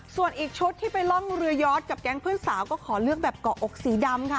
ส่วนอีกชุดที่ไปล่องเรือยอดกับแก๊งเพื่อนสาวก็ขอเลือกแบบเกาะอกสีดำค่ะ